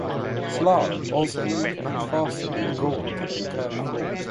Slar also moved much faster than the Gorn Captain Kirk fought.